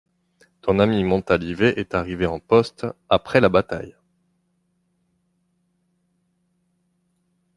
Ton ami Montalivet est arrivé en poste, après la bataille.